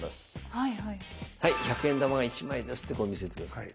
はい１００円玉が１枚ですってこう見せてください。